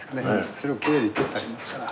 それをきれいに取ってありますから。